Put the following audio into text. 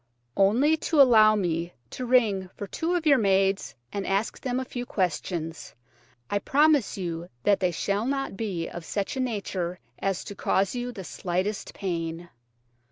"Only to allow me to ring for two of your maids and to ask them a few questions. I promise you that they shall not be of such a nature as to cause you the slightest pain."